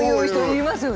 いますよね。